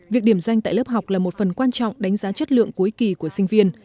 việc điểm danh tại lớp học là một phần quan trọng đánh giá chất lượng cuối kỳ của sinh viên